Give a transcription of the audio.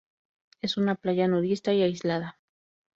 Es una playa nudista y aislada.